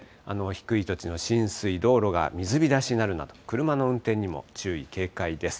低い土地の浸水、道路が水浸しになるなど、車の運転にも注意、警戒です。